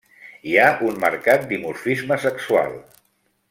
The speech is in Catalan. Hi ha un marcat dimorfisme sexual.